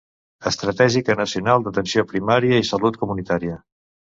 Estratègica nacional d'atenció primària i salut comunitària.